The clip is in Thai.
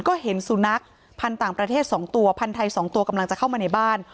ก็เห็นสุนัขพันธุ์ต่างประเทศ๒ตัวพันธุ์ไทย๒ตัวกำลังจะเข้ามาในบ้าน